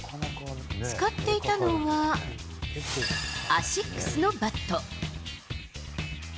使っていたのは、アシックスのバット。